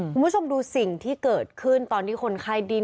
คุณผู้ชมดูสิ่งที่เกิดขึ้นตอนที่คนไข้ดิ้น